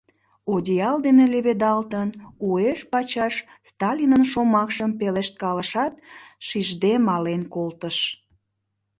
Одеял дене леведалтын, уэш-пачаш Сталинын шомакшым пелешткалышат, шижде мален колтыш...